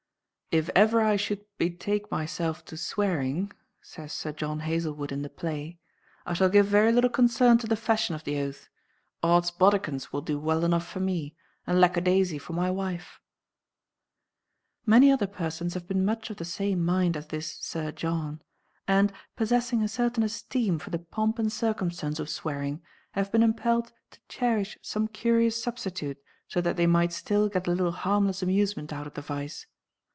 "If ever I should betake myself to swearing," says Sir John Hazlewood in the play, "I shall give very little concern to the fashion of the oath. Odd's bodikins will do well enough for me, and lack a daisy for my wife." Many other persons have been much of the same mind as this Sir John, and, possessing a certain esteem for the pomp and circumstance of swearing, have been impelled to cherish some curious substitute so that they might still get a little harmless amusement out of the vice.